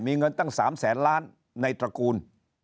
มีเงินตั้ง๓แสนล้านในตระกูล